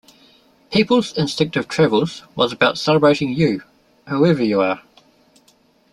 "People's Instinctive Travels" was about celebrating you, whoever you are".